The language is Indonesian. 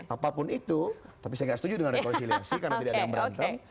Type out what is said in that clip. apapun itu tapi saya nggak setuju dengan rekonsiliasi karena tidak ada yang berantem